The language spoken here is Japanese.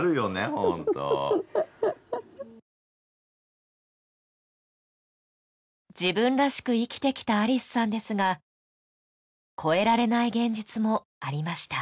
ホント自分らしく生きてきたありすさんですが越えられない現実もありました